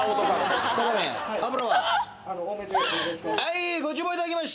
はい！